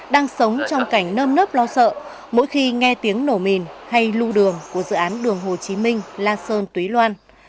đang sống trong cảnh nơm nớp lo sợ mỗi khi nghe tiếng nổ mìn hay lưu đường của dự án đường hồ chí minh la sơn túy loan